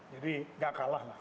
jadi gak kalah lah